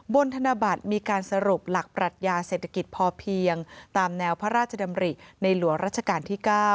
ธนบัตรมีการสรุปหลักปรัชญาเศรษฐกิจพอเพียงตามแนวพระราชดำริในหลวงราชการที่๙